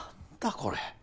これ。